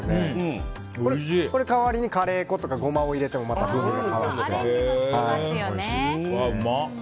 これ、代わりにカレー粉とかゴマを入れたらまた風味が変わっておいしいです。